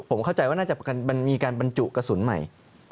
ผมเข้าใจว่าน่าจะมีการบรรจุกระสุนใหม่